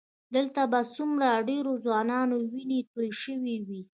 دلته به څومره ډېرو ځوانانو وینې تویې شوې وي.